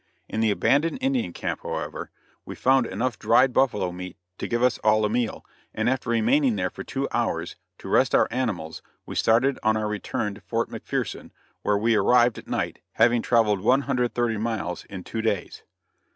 In the abandoned Indian camp, however, we found enough dried buffalo meat to give us all a meal, and after remaining there for two hours, to rest our animals, we started on our return to Fort McPherson, where we arrived at night, having traveled 130 miles in two days.